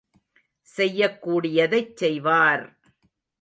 செய்யக் கூடியதைச் செய்வார்!